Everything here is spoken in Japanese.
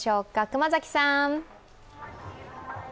熊崎さん。